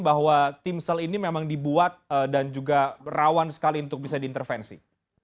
bahwa timsel ini memang dibuat dan juga rawan sekali untuk bisa diintervensi